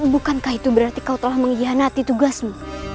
bukankah itu berarti kau telah mengkhianati tugasmu